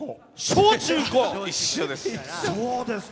小中高、一緒です。